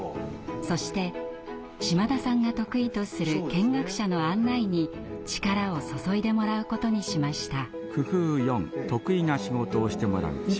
そして島田さんが得意とする見学者の案内に力を注いでもらうことにしました。